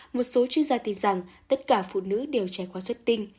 một số chuyên gia tin rằng tất cả phụ nữ đều trải qua xuất tinh